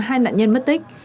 hai nạn nhân mất tích